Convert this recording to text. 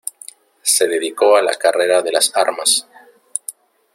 Se dedicó a la carrera de las armas.